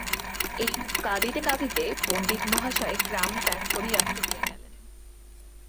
এইরূপে কাঁদিতে কাঁদিতে পণ্ডিতমহাশয় গ্রাম ত্যাগ করিয়া চলিয়া গেলেন।